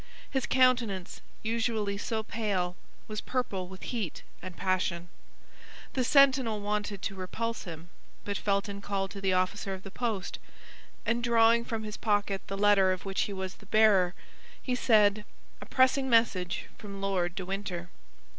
His countenance, usually so pale, was purple with heat and passion. The sentinel wanted to repulse him; but Felton called to the officer of the post, and drawing from his pocket the letter of which he was the bearer, he said, "A pressing message from Lord de Winter."